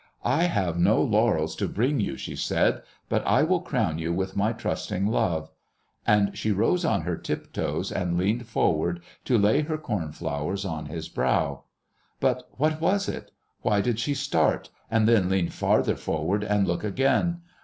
"I have no laurels to bring you," she said, "but I will crown you with my trusting love." And she rose on her tiptoes and leaned forward to lay her corn flowers on his brow. But what was it? Why did she start, and then lean farther forward and look again?